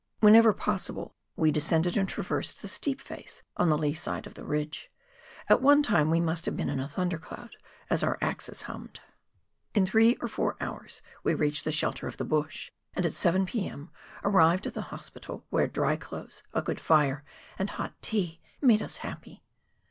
Whenever possible we descended and traversed the steep face on the lee side of the ridge. At one time we must have been in a thundercloud, as our axes hummed. In three WAIHO RIVER — THE HIGH COUNTRY, 75 or four hours we reached the shelter of the bush, and at 7 p.m. arrived at the Hospital, where dry clothes, a good fire, and hot tea made us happy.